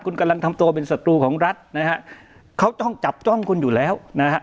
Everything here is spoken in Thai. คุณกำลังทำตัวเป็นศัตรูของรัฐนะฮะเขาต้องจับจ้องคุณอยู่แล้วนะฮะ